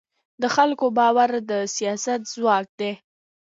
د خلکو باور د سیاست ځواک دی